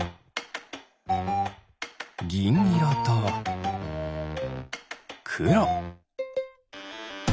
ぎんいろとくろ。